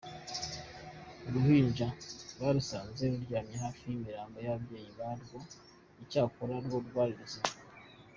Uruhinja barusanze ruryamye hafi y’imirambo y’ababyeyi ba rwo, icyakora rwo rwari ruzima.